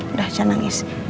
udah jangan nangis